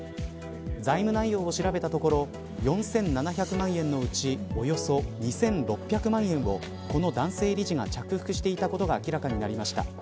財務内容を調べたところ４７００万円のうちおよそ２６００万円をこの男性理事が着服していたことが明らかになりました。